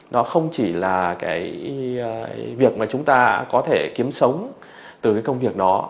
nó không chỉ là việc mà chúng ta có thể kiếm sống từ công việc đó